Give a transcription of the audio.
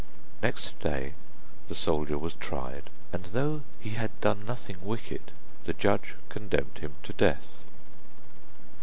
Next day the soldier was tried, and though he had done nothing wicked, the judge condemned him to death.